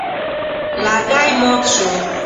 لرګی مات شو.